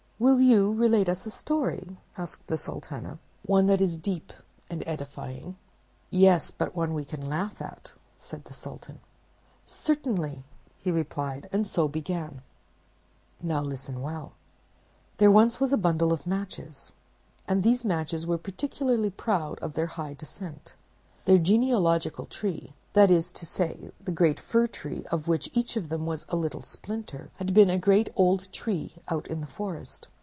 "Will you relate us a story?" said the Sultana; "one that is deep and edifying." "Yes, but one that we can laugh at," said the Sultan. "Certainly," he replied; and so began. And now listen well. "There was once a bundle of Matches, and these Matches were particularly proud of their high descent. Their genealogical tree, that is to say, the great fir tree of which each of them was a little splinter, had been a great old tree out in the forest.